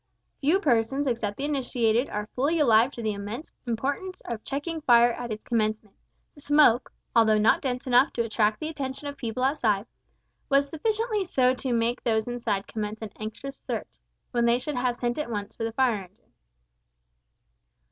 Few persons except the initiated are fully alive to the immense importance of checking fire at its commencement. The smoke, although not dense enough to attract the attention of people outside, was sufficiently so to make those inside commence an anxious search, when they should have sent at once for the fire engine.